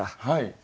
はい。